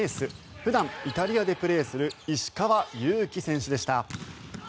普段イタリアでプレーする石川祐希選手でした。